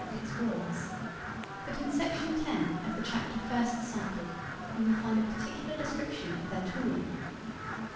of his Wars: but in sect. 10 of the chapter first cited you will find a particular description of their tooling.